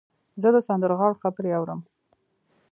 زه د سندرغاړو خبرې اورم.